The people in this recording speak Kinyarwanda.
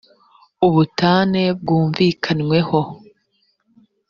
ubutane bwumvikanyweho.